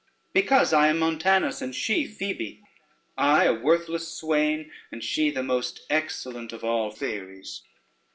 Because I am Montanus, and she Phoebe: I a worthless swain, and she the most excellent of all fairies.